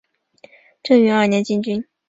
正元二年进军。